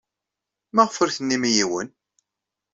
Maɣef ur tennim i yiwen?